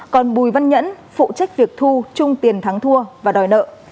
còn bùi văn nhẫn phụ trách việc thu chung tiền thắng thua và đòi nợ